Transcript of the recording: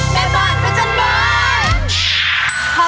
แม่บ้านสัญญาณบ้าน